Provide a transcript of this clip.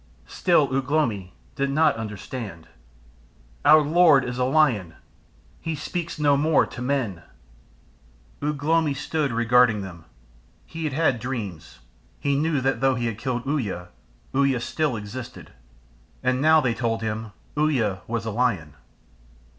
Still Ugh lomi did not understand. "Our Lord is a Lion. He speaks no more to men." Ugh lomi stood regarding them. He had had dreams he knew that though he had killed Uya, Uya still existed. And now they told him Uya was a Lion.